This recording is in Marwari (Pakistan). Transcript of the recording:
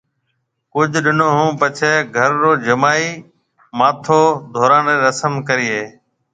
ڪجھ ڏنون ھون پڇيَ گھر رو جمائِي ماٿو ڌوراڻ رِي رسم ڪرَي ھيََََ